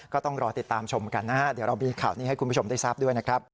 ก็ต้องรอติดตามชมกันนะฮะเดี๋ยวเรามีข่าวนี้ให้คุณผู้ชมได้ทราบด้วยนะครับ